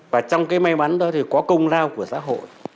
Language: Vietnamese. và trong cái may mắn đó thì có công lao của xã hội